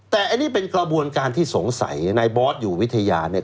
แต่อันนี้เป็นกระบวนการที่สงสัยนายบอสอยู่วิทยาเนี่ย